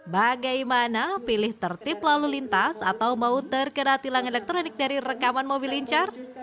bagaimana pilih tertib lalu lintas atau mau terkena tilang elektronik dari rekaman mobil lincar